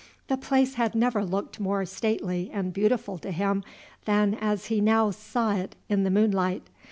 The place had never looked more stately and beautiful to him than as he now saw it in the moonlight.